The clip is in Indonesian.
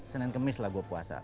senin kemis lah gue puasa